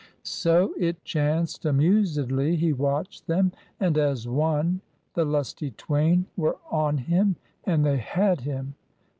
So it chanced Amusedly he watched them, and as one The lusty twain were on him and they had him.